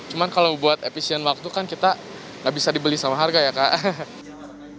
cuma kalau buat efisien waktu kan kita nggak bisa dibeli sama harga ya kak